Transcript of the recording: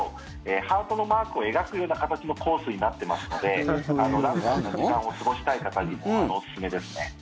ハートのマークを描くような形のコースになってますのでラグジュアリーな時間を過ごしたい方にもおすすめですね。